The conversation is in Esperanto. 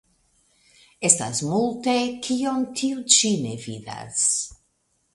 Estas multe, kion tiu ĉi ne vidas.